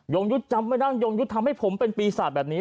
งยุทธ์จำไม่นั่งยงยุทธ์ทำให้ผมเป็นปีศาจแบบนี้